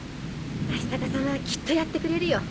アシタカ様はきっとやってくれるよ。